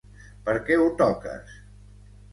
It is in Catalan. Per què ho toques?